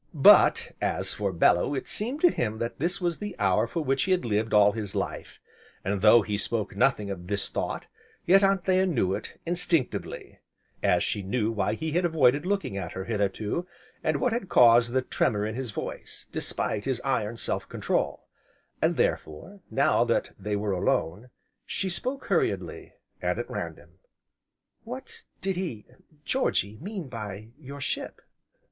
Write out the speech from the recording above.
But, as for Bellew it seemed to him that this was the hour for which he had lived all his life, and, though he spoke nothing of this thought, yet Anthea knew it, instinctively, as she knew why he had avoided looking at her hitherto, and what had caused the tremor in his voice, despite his iron self control; and, therefore, now that they were alone, she spoke hurriedly, and at random: "What did he Georgy mean by your ship?"